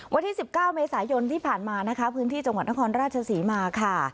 วันที่๑๙เมษายนที่ผ่านมานะคะพื้นที่จังหวัดนครราชศรีมาค่ะ